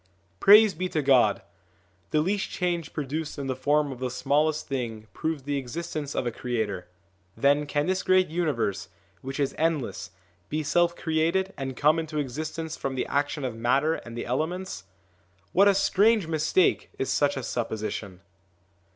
Praise be to God! the least change produced in the form of the smallest thing proves the existence of a creator: then can this great universe, which is endless, be self created and come into existence from the action of matter and the elements ? What a strange mistake is such a supposition